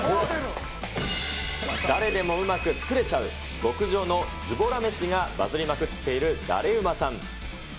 だれでもウマく作れちゃう、極上のずぼら飯がバズりまくっているだれウマさん。